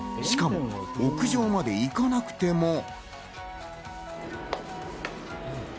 しかも屋上まで行かなくても。